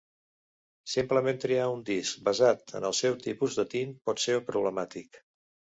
Simplement triar un disc basat en el seu tipus de tint pot ser problemàtic.